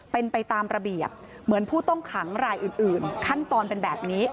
เป็นไปตามระเบียบเหมือนผู้ต้องขังรายอื่นขั้นตอนเป็นแบบนี้